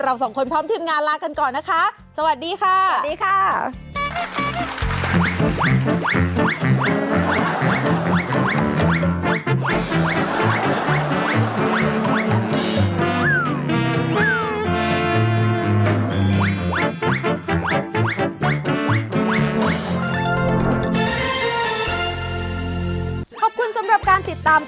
เราสองคนพร้อมทีมงานลากันก่อนนะคะ